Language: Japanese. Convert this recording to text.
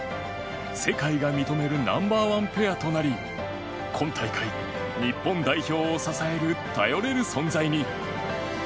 世界が認めるナンバー１ペアとなり今大会、日本代表を支える頼れる存在に。